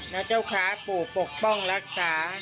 เจ้าค้าปู่ปกป้องรักษา